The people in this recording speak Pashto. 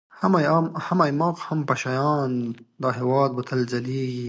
هم ايـــماق و هم پـــشــه یــــیــان، دا هـــیــواد به تــل ځلــــــیــــږي